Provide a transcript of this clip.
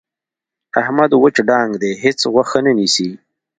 احمد وچ ډانګ دی. هېڅ غوښه نه نیسي.